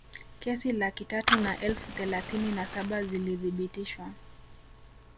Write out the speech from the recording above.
Kesi laki tatu na elfu thelathini na saba zilithibitishwa